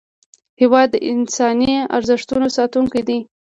هېواد د انساني ارزښتونو ساتونکی دی.